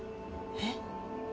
えっ？